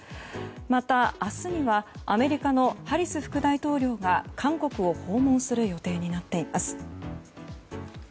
また明日にはアメリカのハリス副大統領が韓国を訪問する予定になっています。